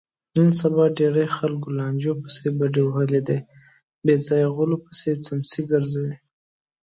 نن سبا ډېری خلکو لانجو پسې بډې وهلي دي، بېځایه غولو پسې څمڅې ګرځوي.